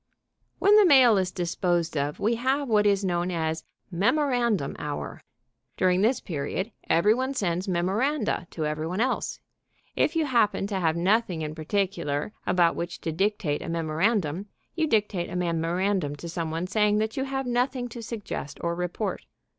When the mail is disposed of we have what is known as Memorandum Hour. During this period every one sends memoranda to every one else. If you happen to have nothing in particular about which to dictate a memorandum, you dictate a memorandum to some one, saying that you have nothing to suggest or report.